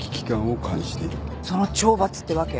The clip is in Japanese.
その懲罰ってわけ？